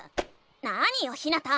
なによひなた！